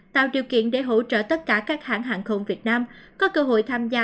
tạo điều kiện để hỗ trợ tất cả các hãng hàng không việt nam có cơ hội tham gia